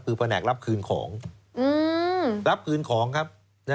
คือแผนกรับคืนของรับคืนของครับ